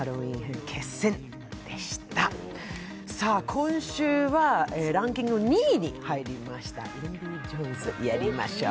今週はランキング２位に入りました「インディ・ジョーンズ」やりましょう。